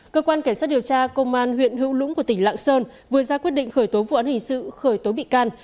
cơ quan cảnh sát điều tra công an huyện hữu lũng của tỉnh lạng sơn vừa ra quyết định khởi tố vụ án hình sự khởi tố bị can